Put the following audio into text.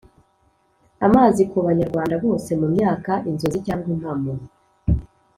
amazi ku banyarwanda bose mu myaka , inzozi cyangwa impamo?